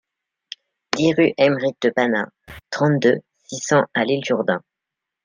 dix rue Aymeric de Panat, trente-deux, six cents à L'Isle-Jourdain